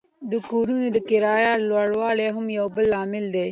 د کورونو د کرایې لوړوالی هم یو بل لامل دی